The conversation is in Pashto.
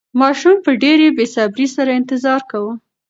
ماشوم په ډېرې بې صبرۍ سره انتظار کاوه.